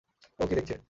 ও কি দেখছে?